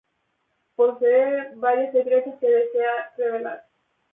Posee varios secretos que desea revelar.